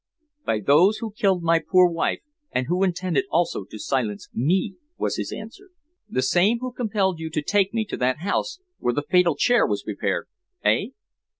"By those who killed my poor wife, and who intended also to silence me," was his answer. "The same who compelled you take me to that house where the fatal chair was prepared, eh?"